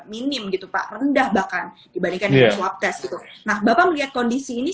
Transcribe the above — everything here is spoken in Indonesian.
minim gitu pak rendah bahkan dibandingkan dengan swab test gitu nah bapak melihat kondisi ini